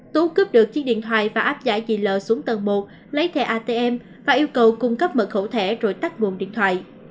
tú cướp được chiếc điện thoại và áp giải gì lờ xuống tầng một lấy thẻ atm và yêu cầu cung cấp mật khẩu thẻ rồi tắt vùng điện thoại